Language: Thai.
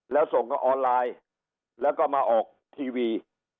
แล้วส่งก็ออนไลน์แล้วก็มาออกทีวี